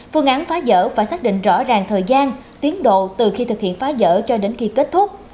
phương án phá giỡn phải xác định rõ ràng thời gian tiến độ từ khi thực hiện phá giỡn cho đến khi kết thúc